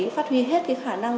phát huy hết khả năng